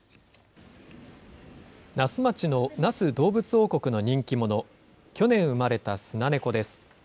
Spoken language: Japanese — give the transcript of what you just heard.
那須町の那須どうぶつ王国の人気者、去年産まれたスナネコです。